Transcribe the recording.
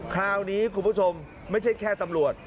คราวนี้คุณผู้ชมไม่ใช่แค่ตำรวจ